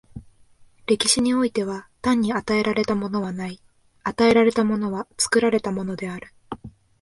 歴史においては、単に与えられたものはない、与えられたものは作られたものである。